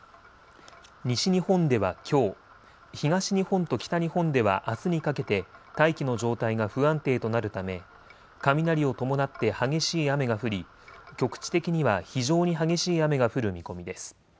西日本ではきょう、東日本と北日本ではあすにかけて大気の状態が不安定となるため雷を伴って激しい雨が降り局地的には非常に激しい雨が降る見込みです。